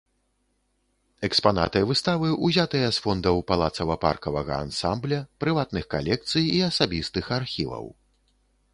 Экспанаты выставы узятыя з фондаў палацава-паркавага ансамбля, прыватных калекцый і асабістых архіваў.